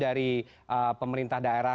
dari pemerintah daerah